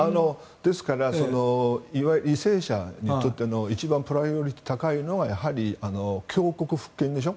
ですから、為政者にとっての一番プライオリティーが高いのがやはり強国復権でしょ。